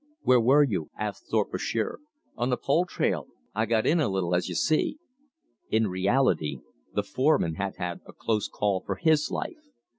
"Where were you?" asked Thorpe of Shearer. "On the pole trail. I got in a little, as you see." In reality the foreman had had a close call for his life.